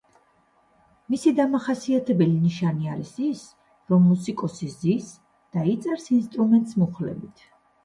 მისი დამახასიათებელი ნიშანი არის ის, რომ მუსიკოსი ზის და იწერს ინსტრუმენტს მუხლებით.